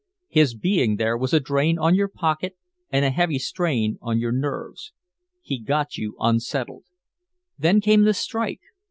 His being there was a drain on your pocket and a heavy strain on your nerves. He got you unsettled. Then came the strike.